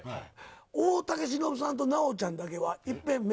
大竹しのぶさんと奈緒ちゃんだけはいっぺん目